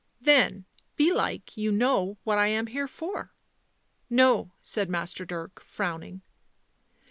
" Then, belike, you know what I am here for?" 11 No," said Master Dirk, frowning.